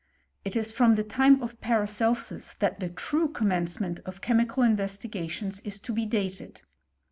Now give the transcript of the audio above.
It is from the time of Paracelsus 1 true commencement of chemical investigation*, dated.